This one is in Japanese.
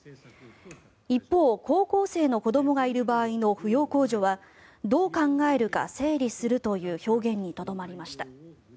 一方、高校生の子どもがいる場合の扶養控除はどう考えるか整理するという表現にとどまりました。